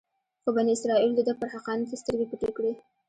خو بني اسرایلو دده پر حقانیت سترګې پټې کړې.